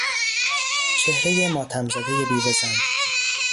چهرهی ماتمزدهی بیوه زن